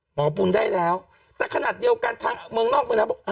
หมอบุญได้แล้วแต่ขนาดเดียวกันทางเมืองนอกเมืองนั้นบอก